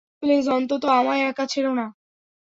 Please, অন্তত আমায় একা ছেড়ো না।